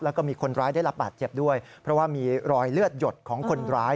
แล้วก็มีคนร้ายได้รับบาดเจ็บด้วยเพราะว่ามีรอยเลือดหยดของคนร้าย